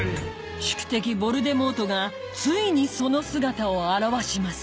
宿敵ヴォルデモートがついにその姿を現します